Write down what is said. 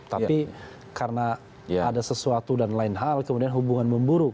tapi karena ada sesuatu dan lain hal kemudian hubungan memburuk